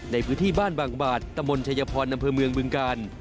ในพื้นที่บ้านบางบาทตะมนต์ชายพรนำเมืองเมืองการ